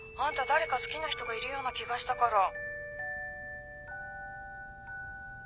誰か好きな人がいるような気がしたから。